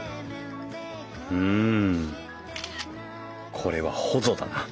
これはほぞだな。